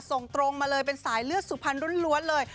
ส่งตรงมาเลยเป็นสายเลือดสุภัณฑ์รุ้นเลย